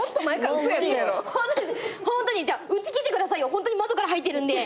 ホントに窓から入ってるんで。